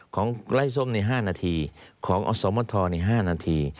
ของไล่ส้มใน๕นาทีของอสมทร๕นาที